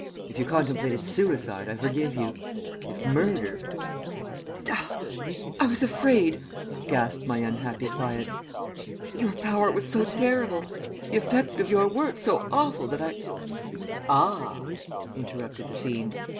If you contemplated suicide, I forgive you; if murder ' "'I was afraid,' gasped my unhappy client. 'Your power was so terrible; the effect of your words so awful, that I ' "'Ah!' interrupted the fiend.